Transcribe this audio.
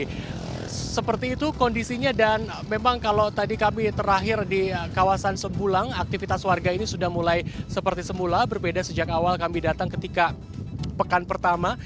jadi seperti itu kondisinya dan memang kalau tadi kami terakhir di kawasan sembulang aktivitas warga ini sudah mulai seperti semula berbeda sejak awal kami datang ketika pekan pertama